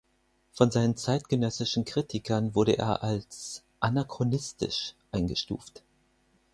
Von seinen zeitgenössischen Kritikern wurde er als „anachronistisch“ eingestuft.